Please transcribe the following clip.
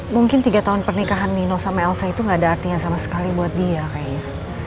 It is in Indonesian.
mungkin tiga tahun pernikahan nino sama elsa itu gak ada artinya sama sekali buat dia kayaknya